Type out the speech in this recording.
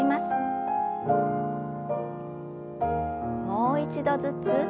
もう一度ずつ。